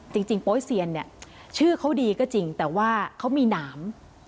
จริงโป๊ยเซียนชื่อเขาดีก็จริงแต่ว่าเขามีหนาม